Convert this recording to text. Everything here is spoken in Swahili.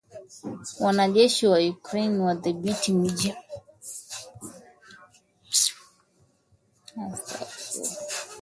Wanajeshi wa Ukraine wadhibithi miji kadhaa na kurusha Kombora Urusi